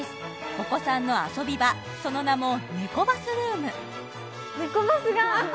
お子さんの遊び場その名もネコバスルームネコバスが！